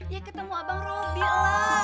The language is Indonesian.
ya ketemu abang robby lah